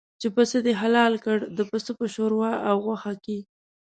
چې پسه دې حلال کړ د پسه په شوروا او غوښه کې.